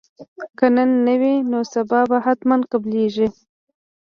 که نن نه وي نو سبا به حتما قبلیږي